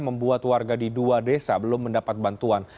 membuat warga di dua desa belum mendapat bantuan